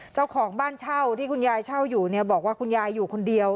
เจ้าของบ้านเช่าที่คุณยายเช่าอยู่เนี่ยบอกว่าคุณยายอยู่คนเดียว